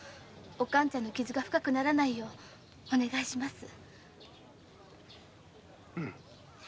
おかんちゃんの傷が深くならないようにお願いします。